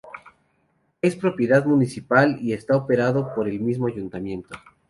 Es de propiedad municipal y está operado por el mismo ayuntamiento.